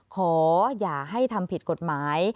ขออย่าให้ทำผิดกฎหมาย